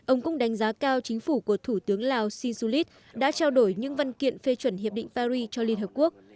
ông cũng đánh giá cao chính phủ của thủ tướng lào shin su lit đã trao đổi những văn kiện phê chuẩn hiệp định paris cho liên hợp quốc